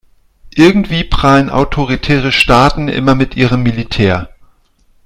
Irgendwie prahlen autoritäre Staaten immer mit ihrem Militär.